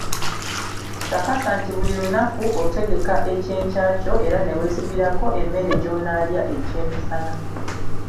Kakasa nti buli lunaku otegeka ekyenkya kyo era ne weesibirako emmere gy'onaalya ekyemisana.